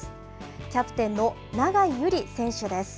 キャプテンの永井友理選手です。